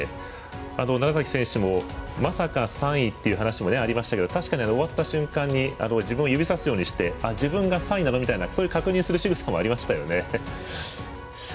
楢崎選手もまさか３位っていう確かに終わった瞬間に自分に指さすようにして自分が３位なの？みたいな確認するしぐさもありましたよね。